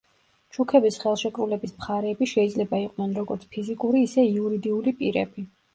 ჩუქების ხელშეკრულების მხარეები შეიძლება იყვნენ როგორც ფიზიკური, ისე იურიდიული პირები.